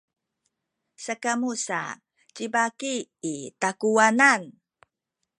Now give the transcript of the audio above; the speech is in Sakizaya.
sakamu sa ci baki i takuwanan.